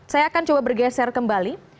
saya akan coba bergeser kembali